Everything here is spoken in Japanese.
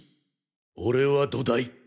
俺は土台。